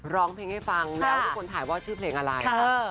ร้องเพลงให้ฟังแล้วทุกคนถ่ายว่าชื่อเพลงอะไร